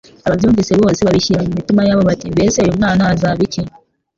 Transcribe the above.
Ababyumvise bose babishyira mu mitima yabo bati 'Mbese uyu mwana azaba iki !